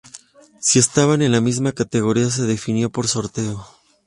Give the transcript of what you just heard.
Si estaban en la misma categoría, se definió por sorteo.